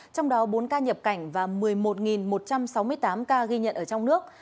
trong đó bốn ca nhập cảnh và một mươi một một trăm sáu mươi tám ca ghi nhận ở trong nước